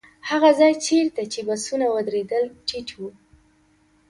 هغه ځای چېرته چې بسونه ودرېدل ټيټ و.